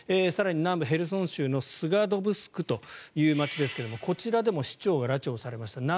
更に南部ヘルソン州のスカドブスクという街ですがこちらでも市長が拉致されました。